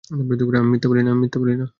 আমি মিথ্যা বলি না।